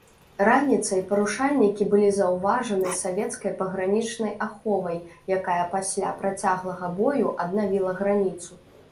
Раніцай парушальнікі былі заўважаны савецкай пагранічнай аховай, якая пасля працяглага бою аднавіла граніцу.